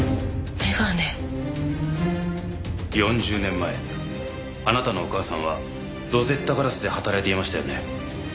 ４０年前あなたのお母さんはロゼッタ硝子で働いていましたよね？